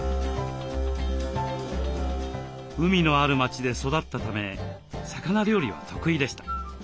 海のある町で育ったため魚料理は得意でした。